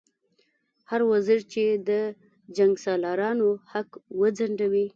هر وزیر چې د جنګسالارانو حق وځنډوي.